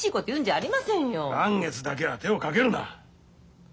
嵐月だけは手をかけるな。